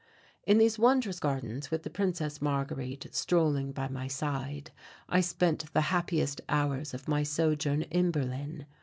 In these wondrous gardens, with the Princess Marguerite strolling by my side, I spent the happiest hours of my sojourn in Berlin.